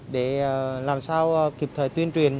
để làm sao kịp thời tuyên truyền